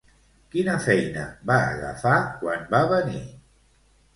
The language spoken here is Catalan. Quina feina va agafar quan va venir?